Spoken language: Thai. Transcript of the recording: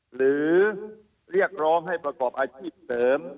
หรือเรียกร้องให้ประกอบอาชีพเสริม